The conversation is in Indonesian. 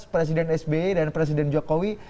presiden sby dan presiden jokowi